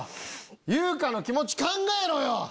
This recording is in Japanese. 優香の気持ち考えろよ！